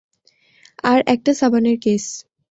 আর একটা সাবানের কেস।